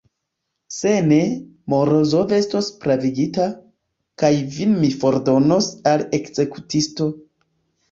Se ne, Morozov estos pravigita, kaj vin mi fordonos al ekzekutisto.